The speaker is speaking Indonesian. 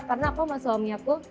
karena aku masih suami aku